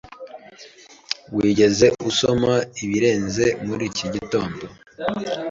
Wigeze usoma ibirenze muri iki gitondo?